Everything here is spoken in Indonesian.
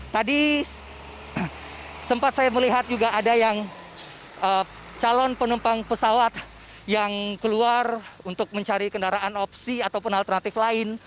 tadi sempat saya melihat juga ada yang calon penumpang pesawat yang keluar untuk mencari kendaraan opsi ataupun alternatif lain